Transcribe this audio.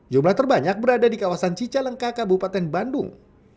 jumlah terbanyak berada di kawasan cicalengka kabupaten bandung